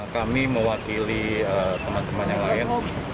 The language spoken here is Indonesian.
kami mewakili teman teman yang lain